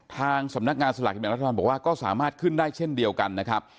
ทางสำนักงานสลากกินแบ่งรัฐบาลบอกว่าก็สามารถขึ้นได้เช่นเดียวกันนะครับ